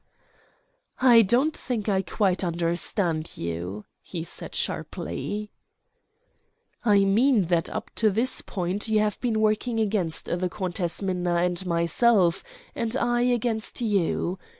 "I don't think I quite understand you," he said sharply. "I mean that up to this point you have been working against the Countess Minna and myself and I against you.